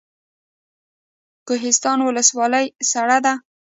کوهستان ولسوالۍ سړه ده؟